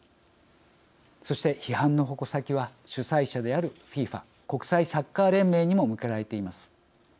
そして批判の矛先は主催者であるＦＩＦＡ＝国際サッカー連盟にも向けられています。